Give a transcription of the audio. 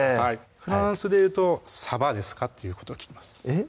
フランスでいうと「サバですか？」っていうことを聞きますえっ？